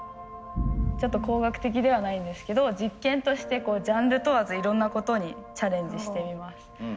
ちょっと工学的ではないんですけど実験としてジャンル問わずいろんなことにチャレンジしてみます。